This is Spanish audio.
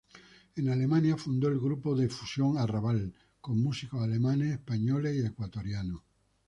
En Alemania fundó el grupo de fusión Arrabal con músicos alemanes, españoles y ecuatorianos.